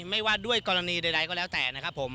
ไม่ว่าด้วยกรณีใดก็แล้วแต่นะครับผม